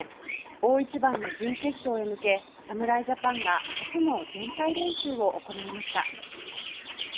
大一番の準決勝へ向け侍ジャパンが初の全体練習を行いました。